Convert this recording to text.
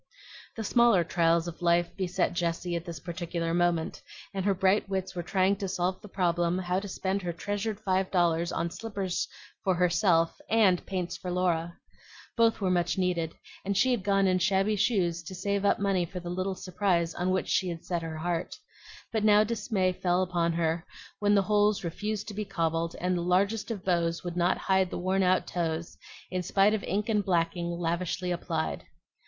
The smaller trials of life beset Jessie at this particular moment, and her bright wits were trying to solve the problem how to spend her treasured five dollars on slippers for herself and paints for Laura. Both were much needed, and she had gone in shabby shoes to save up money for the little surprise on which she had set her heart; but now dismay fell upon her when the holes refused to be cobbled, and the largest of bows would not hide the worn out toes in spite of ink and blacking lavishly applied.